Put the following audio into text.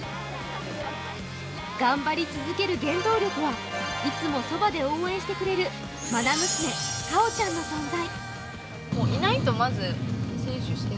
頑張り続ける原動力は、いつもそばで応援してくれるまな娘・果緒ちゃんの存在。